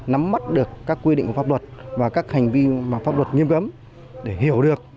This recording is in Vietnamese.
nắm mắt được các quy định của pháp luật và các hành vi mà pháp luật nghiêm cấm để hiểu được